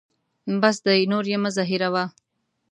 بس دی نور یې مه زهیروه.